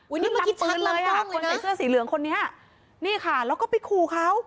นี่นับปืนเลยอ่ะคนใส่เสื้อสีเหลืองคนนี้นี่ค่ะแล้วก็ไปขู่เขา